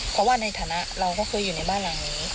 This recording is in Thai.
เพราะว่าในฐานะเราก็เคยอยู่ในบ้านหลังนี้